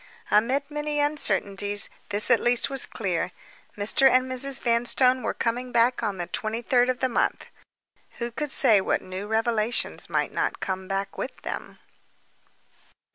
Amid many uncertainties, this at least was clear, Mr. and Mrs. Vanstone were coming back on the twenty third of the month. Who could say what new revelations might not come back with them?